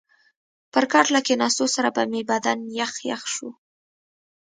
پر کټ له کښېنستو سره به مې بدن یخ یخ شو.